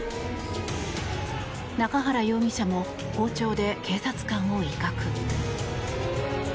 中原容疑者も包丁で警察官を威嚇。